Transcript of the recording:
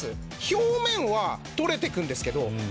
表面は取れていくんですけど。